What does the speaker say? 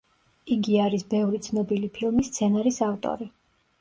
იგი არის ბევრი ცნობილი ფილმის სცენარის ავტორი.